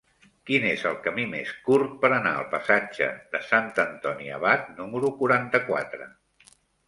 Quin és el camí més curt per anar al passatge de Sant Antoni Abat número quaranta-quatre?